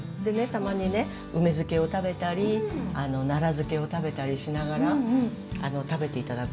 たまに梅漬けを食べたり奈良漬を食べたりしながら食べて頂くとね